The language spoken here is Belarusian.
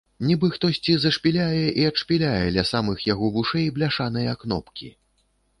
Нібы хтосьці зашпіляе і адшпіляе ля самых яго вушэй бляшаныя кнопкі.